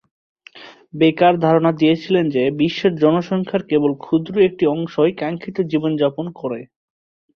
বেকার ধারণা দিয়েছিলেন যে বিশ্বের জনসংখ্যার কেবল ক্ষুদ্র একটি অংশই কাঙ্ক্ষিত জীবনযাপন করে।